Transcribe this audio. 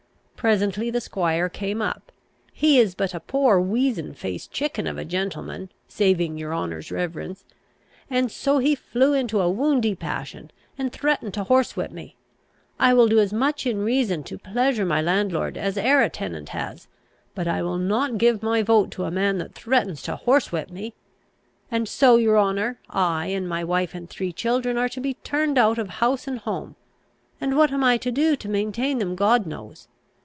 Presently the squire came up. He is but a poor, weazen face chicken of a gentleman, saving your honour's reverence. And so he flew into a woundy passion, and threatened to horsewhip me. I will do as much in reason to pleasure my landlord as arr a tenant he has; but I will not give my vote to a man that threatens to horsewhip me. And so, your honour, I and my wife and three children are to be turned out of house and home, and what I am to do to maintain them God knows.